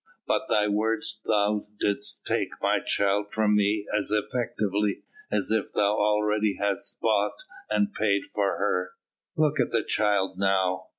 By thy words thou didst take my child from me as effectually as if thou already hadst bought and paid for her. Look at the child now!